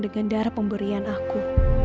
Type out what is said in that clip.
dengan darah pemberian aku